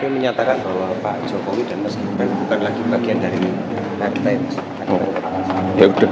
menyatakan bahwa pak jokowi dan meskipun bukan lagi bagian dari ini ya udah